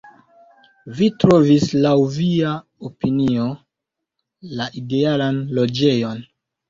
Vi trovis, laŭ via opinio, la idealan loĝejon.